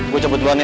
gue cabut duluan ya